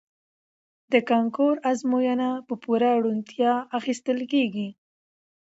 د کانکور ازموینه په پوره روڼتیا اخیستل کیږي.